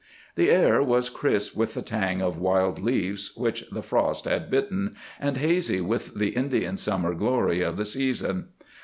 The air was crisp with the tang of wild leaves which the frost had bitten, and hazy with the Indian summer glory of the season.